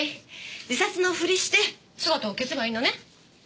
自殺のふりして姿を消せばいいのね？